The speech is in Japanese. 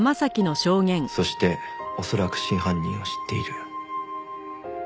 そして恐らく真犯人を知っている。